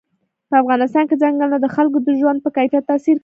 په افغانستان کې ځنګلونه د خلکو د ژوند په کیفیت تاثیر کوي.